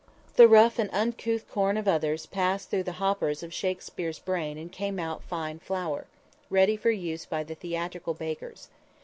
The rough and uncouth corn of others passed through the hoppers of Shakspere's brain and came out fine flour, ready for use by the theatrical bakers.